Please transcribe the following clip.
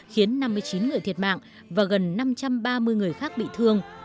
khiến năm mươi chín người thiệt mạng và gần năm trăm ba mươi người khác bị thương